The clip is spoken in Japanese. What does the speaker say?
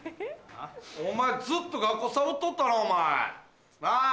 お前ずっと学校サボっとったな？なぁ？